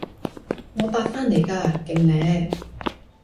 我八返嚟㗎，勁呢？